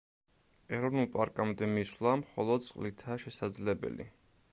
ეროვნულ პარკამდე მისვლა მხოლოდ წყლითაა შესაძლებელი.